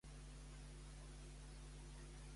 I amb qui coincideix l'Amor?